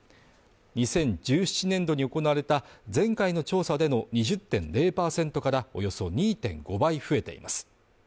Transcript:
２０１７年度に行われた前回の調査での２０．０％からおよそ２．５倍増えています。